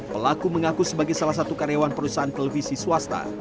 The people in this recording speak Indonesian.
pelaku mengaku sebagai salah satu karyawan perusahaan televisi swasta